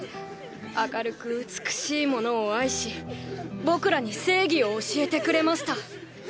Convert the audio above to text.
明るく美しいものを愛し僕らに正義を教えてくれました。